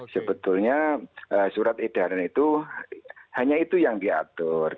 sebetulnya surat edaran itu hanya itu yang diatur